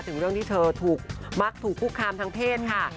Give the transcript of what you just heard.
ถึงเรื่องที่เธอถูกมักถูกคุกคามทางเพศค่ะ